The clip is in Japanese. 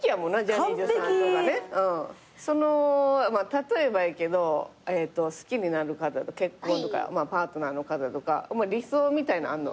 例えばやけど好きになる方と結婚とかパートナーの方とか理想みたいなんあんの？